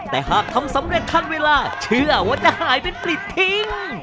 แต่หากทำสำเร็จขั้นเวลาเชื่อว่าจะหายเป็นปลิดทิ้ง